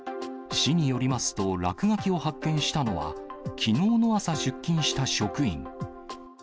市によりますと、落書きを発見したのは、きのうの朝出勤した職員。